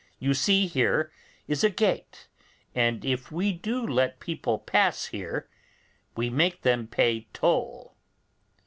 You see here is a gate, and if we do let people pass here, we make them pay toll.